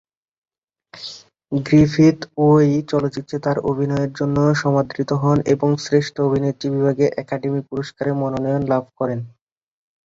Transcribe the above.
Griffith এই চলচ্চিত্রে তার অভিনয়ের জন্য সমাদৃত হন এবং শ্রেষ্ঠ অভিনেত্রী বিভাগে একাডেমি পুরস্কারের মনোনয়ন লাভ করেন।